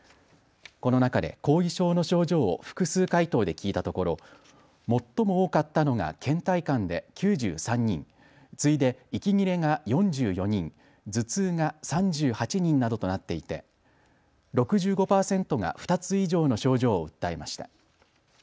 この中で後遺症の症状を複数回答で聞いたところ最も多かったのがけん怠感で９３人、次いで息切れが４４人、頭痛が３８人などとなっていて６５％が２つ以上の症状を訴えました。